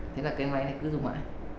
thế là cái máy này cứ dùng mãi